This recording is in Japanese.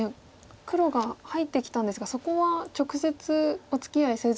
黒が入ってきたんですがそこは直接おつきあいせず。